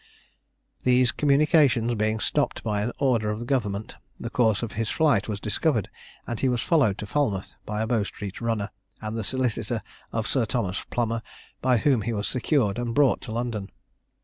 These communications being stopped by an order of the government, the course of his flight was discovered, and he was followed to Falmouth by a Bow street runner, and the solicitor of Sir Thomas Plomer, by whom he was secured and brought to London.